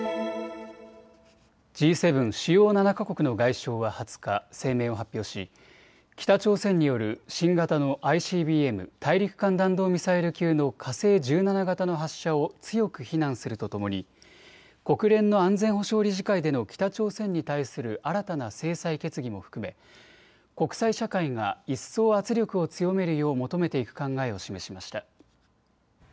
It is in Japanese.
Ｇ７・主要７か国の外相は２０日、声明を発表し北朝鮮による新型のＩＣＢＭ・大陸間弾道ミサイル級の火星１７型の発射を強く非難するとともに国連の安全保障理事会での北朝鮮に対する新たな制裁決議も含め国際社会が一層圧力を強めるよう求めていく考えを示しました。